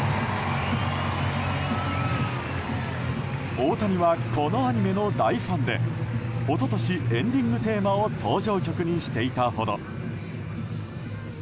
大谷はこのアニメの大ファンで一昨年、エンディングテーマを登場曲にしていたほど。